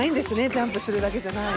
ジャンプするだけじゃない。